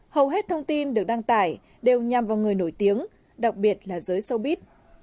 hầu hết thông tin được đăng tải đều nhằm vào người nổi tiếng đặc biệt là giới sâu bít